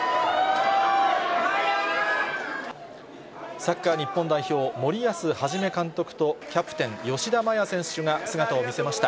サッカー日本代表、森保一監督と、キャプテン、吉田麻也選手が姿を見せました。